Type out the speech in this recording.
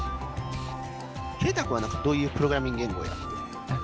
圭太君はどういうプログラミング言語をやってるの？